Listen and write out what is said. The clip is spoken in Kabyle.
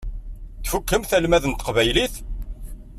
Tfukkem almad n teqbaylit?